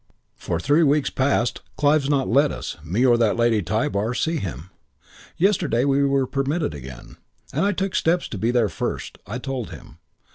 For three weeks past Clive's not let us me or that Lady Tybar see him. Yesterday we were permitted again; and I took steps to be there first. I told him.